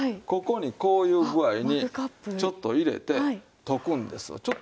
ここにこういう具合にちょっと入れて溶くんですわ。